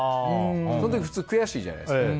その時普通悔しいじゃないですか。